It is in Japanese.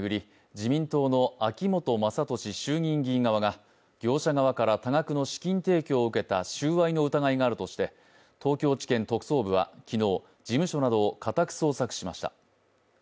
自民党の秋本真利衆議院議員側が業者側から多額の資金提供を受けた収賄の疑いがあるとして東京地検特捜部は昨日事務所などを家宅捜索しました。